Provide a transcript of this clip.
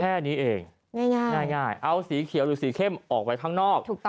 แค่นี้เองง่ายเอาสีเขียวหรือสีเข้มออกไปข้างนอก